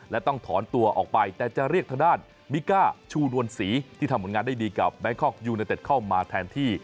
และต้องถอนตัวออกไปแต่จะเรียกทางด้านมิก้าชูนวลศรีที่ทำผลงานได้ดีกับแบงคอกยูเนเต็ดเข้ามาแทนที่